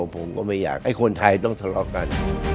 ผมก็ไม่อยากให้คนไทยต้องทะเลาะกัน